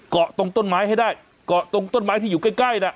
ตรงต้นไม้ให้ได้เกาะตรงต้นไม้ที่อยู่ใกล้น่ะ